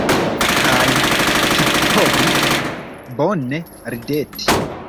Kaj scipovis bone rideti.